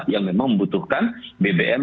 yang memang membutuhkan bbm